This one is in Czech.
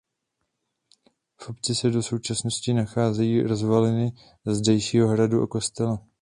V obci se do současnosti nacházejí rozvaliny zdejšího hradu a kostela.